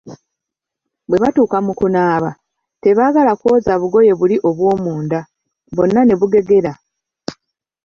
Bwe batuuka mu kunaaba, tebaagala kwoza bugoye buli obw'omunda, bwonna ne bugegera,